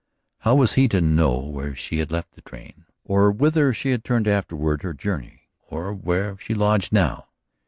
How was he to know where she had left the train, or whither she had turned afterward, or journeyed, or where she lodged now?